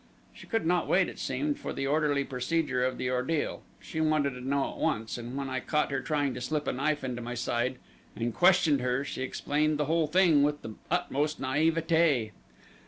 She could not wait, it seemed, for the orderly procedure of the ordeal she wanted to know at once, and when I caught her trying to slip a knife into my side and questioned her she explained the whole thing with the utmost naivete.